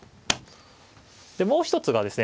でもう一つがですね